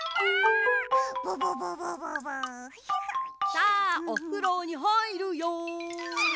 さあおふろにはいるよ。